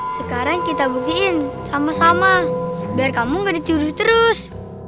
sekarang kita buktiin sama sama biar kamu gak dituduh terus